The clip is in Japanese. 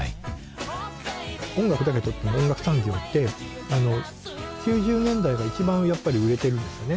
音楽だけとっても音楽産業って９０年代が一番やっぱり売れてるんですよね。